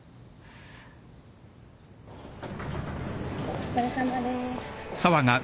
お疲れさまです。